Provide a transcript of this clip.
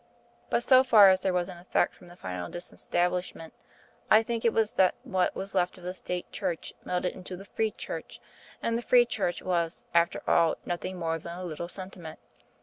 But so far as there was an effect from the final Disestablishment, I think it was that what was left of the State Church melted into the Free Church, and the Free Church was, after all, nothing more than a little sentiment.